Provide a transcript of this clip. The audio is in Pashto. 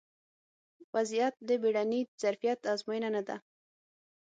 ا وضعیت د بیړني ظرفیت ازموینه نه ده